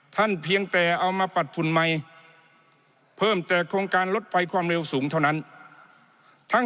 ท่านเพียงแต่เอามาปรับภูมิใหม่เพิ่มแต่โครงการลดไฟความเร็วสูงเท่านั้น